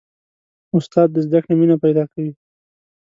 استاد د زده کړې مینه پیدا کوي.